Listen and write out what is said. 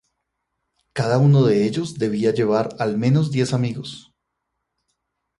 Cada uno de ellos debía llevar al menos diez amigos.